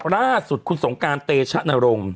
ล่าสุดคุณสงการเตชะนรงค์